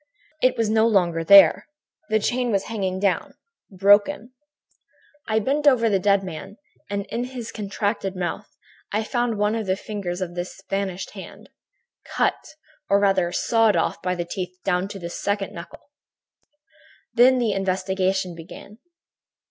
It was no longer there. The chain was hanging down, broken. "I bent over the dead man and, in his contracted mouth, I found one of the fingers of this vanished hand, cut or rather sawed off by the teeth down to the second knuckle. "Then the investigation began.